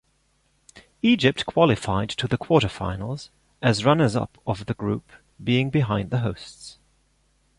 Egypt qualified to the quarter-finals, as runners-up of the group, being behind the hosts.